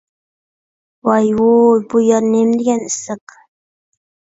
ۋاي-ۋۇي، بۇ يەر نېمىدېگەن ئىسسىق!